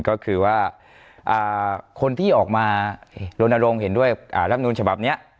ก็คือว่าคนที่ออกมาโรนโรงเห็นด้วยรับโน้นฉบับเนี่ย